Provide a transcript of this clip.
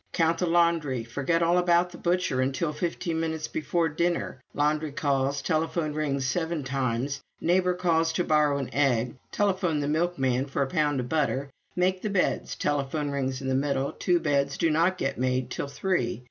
Count the laundry. Forget all about the butcher until fifteen minutes before dinner. Laundry calls. Telephone rings seven times. Neighbor calls to borrow an egg. Telephone the milkman for a pound of butter. Make the beds, telephone rings in the middle, two beds do not get made till three.